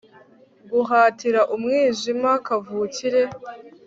Guhatira umwijima kavukire